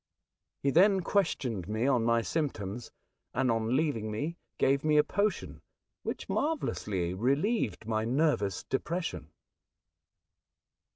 He then questioned me on my symptoms, and, on leaving me, gave me a potion which marvellously relieved my nervous depression.